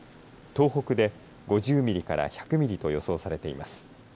東北で５０ミリから１００ミリと予想されています。